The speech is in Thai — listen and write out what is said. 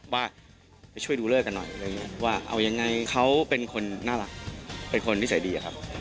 ว่าไปช่วยดูเลิกกันหน่อยอะไรอย่างนี้ว่าเอายังไงเขาเป็นคนน่ารักเป็นคนนิสัยดีอะครับ